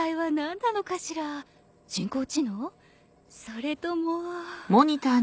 それとも。